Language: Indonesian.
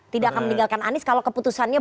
tidak akan meninggalkan anies kalau keputusannya